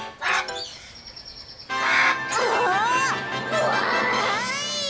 うわわい！